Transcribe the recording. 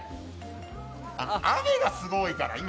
雨がすごいから、今。